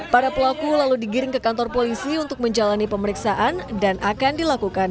para pelaku lalu digiring ke kantor polisi untuk menjalani pemeriksaan dan akan dilakukan